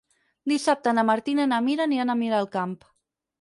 Dissabte na Martina i na Mira aniran a Miralcamp.